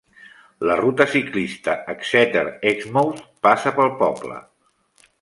La ruta ciclista Exeter-Exmouth passa pel poble.